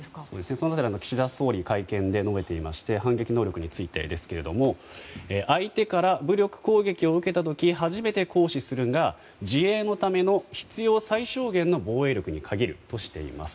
その辺りは岸田総理が会見で述べていて反撃能力についてですが相手から武力攻撃を受けた時初めて行使するが自衛のための必要最小限の防衛力に限るとしています。